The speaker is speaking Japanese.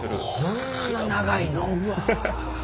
こんな長いの？